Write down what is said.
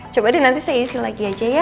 coba deh nanti saya isi lagi aja ya